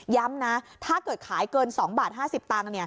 นะถ้าเกิดขายเกิน๒บาท๕๐ตังค์